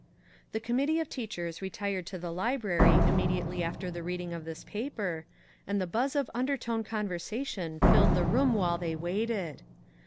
The committee of teachers retired to the 375 MAG AND MARGARET library immediately after the reading of this paper, and the buzz of undertone conversation filled the schoolroom while they waited.